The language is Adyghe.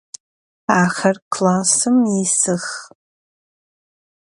Axer klassım yisıx.